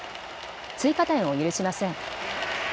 追加点を許しません。